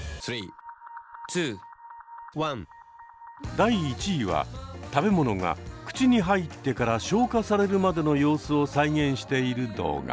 第１位は食べ物が口に入ってから消化されるまでの様子を再現している動画。